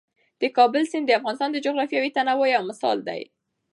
د کابل سیند د افغانستان د جغرافیوي تنوع یو مثال دی.